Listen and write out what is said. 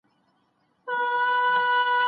د ریا بازار یې بیا رونق پیدا کړ